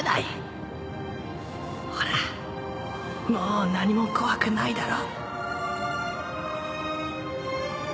ほらもう何も怖くないだろ？